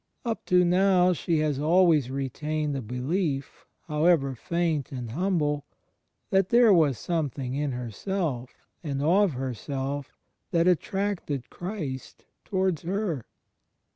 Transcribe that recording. Up to now she has always retained a belief, however faint and humble, that there was something in herself, and of herself, that attracted Christ towards her.